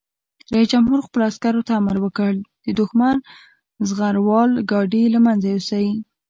رئیس جمهور خپلو عسکرو ته امر وکړ؛ د دښمن زغروال ګاډي له منځه یوسئ!